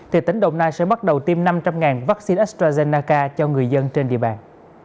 thì tỉnh đồng nai sẽ bắt đầu tiêm năm trăm linh vaccine astrazennaca cho người dân trên địa bàn